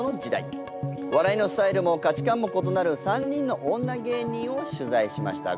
笑いのスタイルも価値観も異なる３人の女芸人を取材しました。